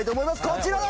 こちらだ！